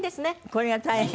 これが大変。